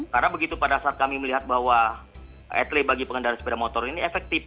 karena begitu pada saat kami melihat bahwa atli bagi pengendara sepeda motor ini efektif